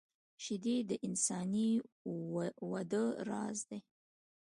شیدې د انساني وده راز دي